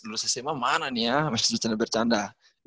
lu sma mana nih ya masih bercanda bercanda